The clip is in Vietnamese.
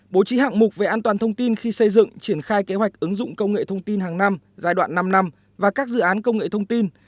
bố trí hạng mục về an toàn thông tin khi xây dựng triển khai kế hoạch ứng dụng công nghệ thông tin hàng năm giai đoạn năm năm và các dự án công nghệ thông tin